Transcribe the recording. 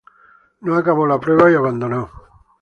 No acabó la prueba y abandonó.